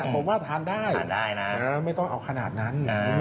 ผมว่าทานได้นะไม่ต้องเอาขนาดนั้น